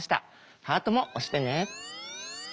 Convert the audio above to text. ハートも押してね。